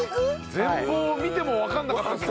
全貌を見てもわからなかったですね。